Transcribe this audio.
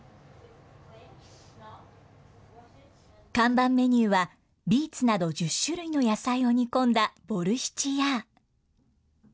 看板メニューは、ビーツなど１０種類の野菜を煮込んだボルシチや。